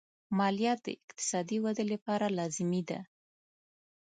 مالیه د اقتصادي ودې لپاره لازمي ده.